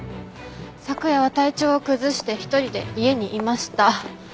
昨夜は体調を崩して一人で家にいました。